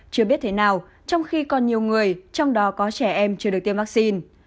chưa biết thế nào trong khi còn nhiều người trong đó có trẻ em chưa được tiêm vaccine